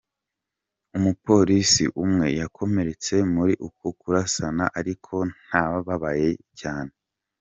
Umupolisi umwe yakomeretse muri uko kurasana ariko ntababaye cane.